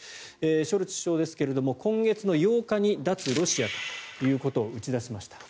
ショルツ首相ですが今月８日に脱ロシアということを打ち出しました。